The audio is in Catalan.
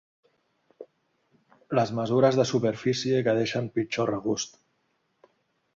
Les mesures de superfície que deixen pitjor regust.